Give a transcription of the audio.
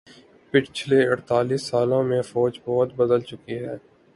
پچھلے اڑتالیس سالوں میں فوج بہت بدل چکی ہے